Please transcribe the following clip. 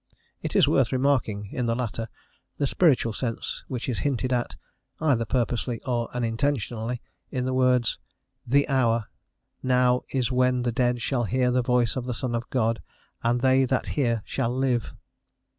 It is worth remarking, in the latter, the spiritual sense which is hinted at either purposely or unintentionally in the words, "The hour... now is when the dead shall hear the voice of the Son of God, and they that hear shall live."